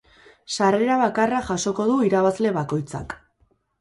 Sarrera bakarra jasoko du irabazle bakoitzak.